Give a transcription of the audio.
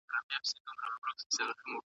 که هر څومره لږه ونډه ور رسیږي